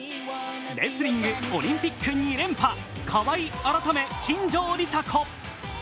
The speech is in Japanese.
レスリング、オリンピック２連覇川井改め金城梨紗子。